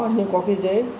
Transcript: nhưng có cái dễ